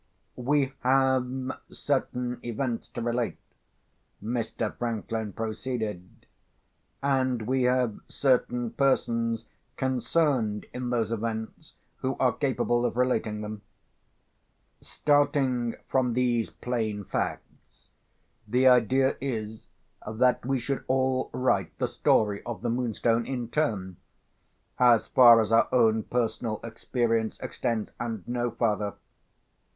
"We have certain events to relate," Mr. Franklin proceeded; "and we have certain persons concerned in those events who are capable of relating them. Starting from these plain facts, the idea is that we should all write the story of the Moonstone in turn—as far as our own personal experience extends, and no farther.